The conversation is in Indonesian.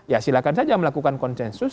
ya silahkan saja melakukan konsensus